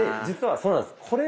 実はそうなんです。